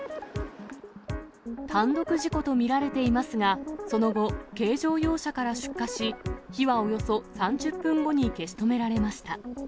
単独事故と見られていますが、その後、軽乗用車から出火し、火はおよそ３０分後に消し止められました。